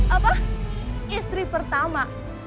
apa istri pertama